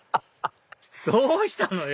どうしたのよ？